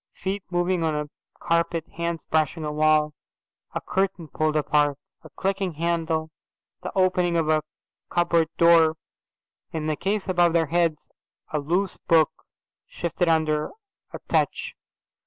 Feet moving on a carpet, hands brushing a wall, a curtain pulled apart, a clicking handle, the opening of a cupboard door. In the case above their heads a loose book shifted under a touch.